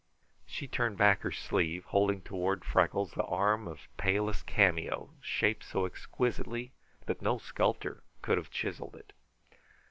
She turned back her sleeve, holding toward Freckles an arm of palest cameo, shaped so exquisitely that no sculptor could have chiseled it.